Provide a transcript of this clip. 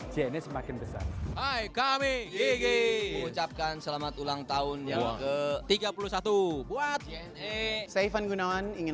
cni semakin besar hai kami gigi ucapkan selamat ulang tahun yang ke tiga puluh satu buat yeni saifan gunawan ingin